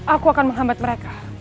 aku akan menghambat mereka